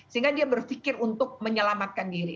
sehingga dia berpikir untuk menyelamatkan diri